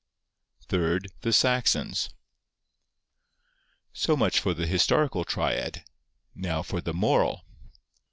Third, the Saxons ...' So much for the historical Triad: now for the moral.